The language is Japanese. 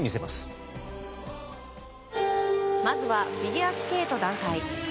まずはフィギュアスケート団体。